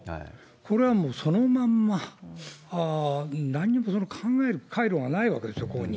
これはもうそのまんま、なんにも考える回路がないわけですよ、ここに。